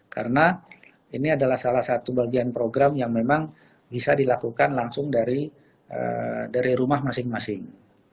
karena ini adalah salah satu bagian program yang memang bisa dilakukan langsung dari rumah masing masing